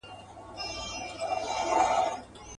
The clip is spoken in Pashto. سیوري ته د پلونو مي کاروان راسره وژړل.